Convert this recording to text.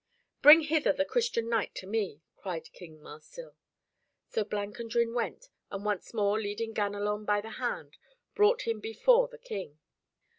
"Bring hither the Christian knight to me," cried King Marsil. So Blancandrin went, and once more leading Ganelon by the hand, brought him before the King.